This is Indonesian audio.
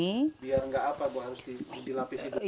biar nggak apa apa harus dilapisi